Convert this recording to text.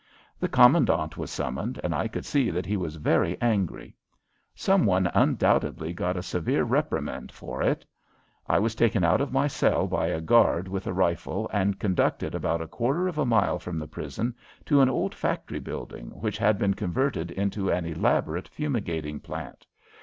The commandant was summoned, and I could see that he was very angry. Some one undoubtedly got a severe reprimand for it. I was taken out of my cell by a guard with a rifle and conducted about a quarter of a mile from the prison to an old factory building which had been converted into an elaborate fumigating plant.